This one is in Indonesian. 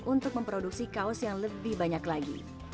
untuk memproduksi kaos yang lebih banyak lagi